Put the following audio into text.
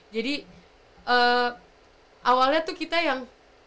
jadi awalnya tuh kita yang